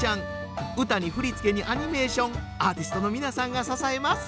歌に振り付けにアニメーションアーティストの皆さんが支えます。